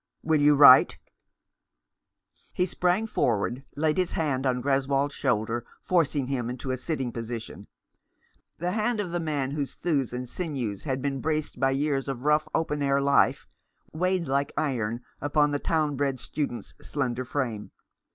Will you write ?" He sprang forward, laid his hand on Greswold's shoulder, forcing him into a sitting position. The hand of the man whose thews and sinews had been braced by years of rough open air life weighed like iron upon the town bred student's slender frame.